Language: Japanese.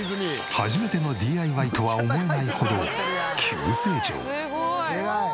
初めてのＤＩＹとは思えないほどすごい！